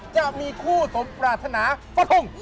จะมีคู่สมปรารถนาฟรง